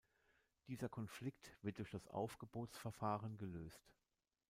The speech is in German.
Dieser Konflikt wird durch das Aufgebotsverfahren gelöst.